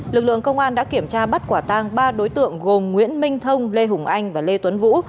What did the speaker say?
lực lượng công an đã kiểm tra bắt quả tang ba đối tượng gồm nguyễn minh thông lê hùng anh và lê tuấn vũ